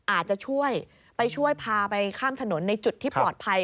อาจจะช่วยไปช่วยพาไปข้ามถนนในจุดที่ปลอดภัย